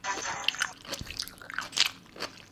شخصي حقونه څنګه کارول کېږي؟